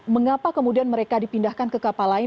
mengapa kemudian mereka dipindahkan ke kapal lain